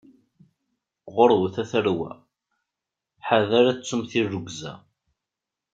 Ɣurwet a tarwa, ḥader ad tettum tirrugza.